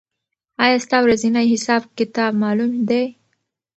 آیا ستا ورځنی حساب کتاب معلوم دی؟